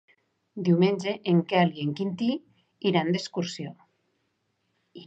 Diumenge en Quel i en Quintí iran d'excursió.